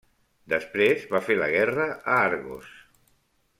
Després va fer la guerra a Argos.